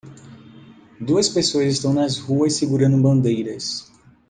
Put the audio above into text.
Duas pessoas estão nas ruas segurando bandeiras.